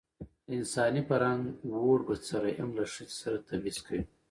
د انساني فرهنګ ووړ بڅرى هم له ښځې سره تبعيض کوي.